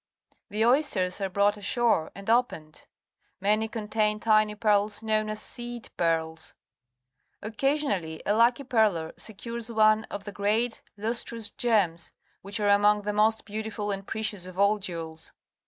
The oysters are brought ashore and opened. Many contain tiny pearls known as "seed pearls.'' Occa sionally a lucky pearler secures one of the gi'eat, lustrous gems which are among the most beautiful and precious of all jewels.